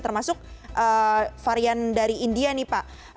termasuk varian dari india nih pak